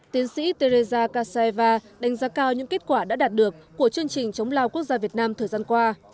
tiến sĩ tereza kasaiva đánh giá cao những kết quả đã đạt được của chương trình chống lao quốc gia việt nam thời gian qua